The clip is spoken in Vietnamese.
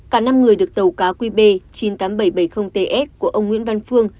cả năm người được tàu cá qb chín mươi tám nghìn bảy trăm bảy mươi ts của ông nguyễn văn phương